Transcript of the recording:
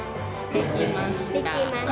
できました！